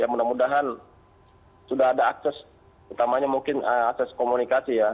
mudah mudahan sudah ada akses utamanya mungkin akses komunikasi ya